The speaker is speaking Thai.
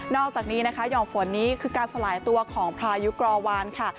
อกจากนี้นะคะห่อมฝนนี้คือการสลายตัวของพายุกรอวานค่ะ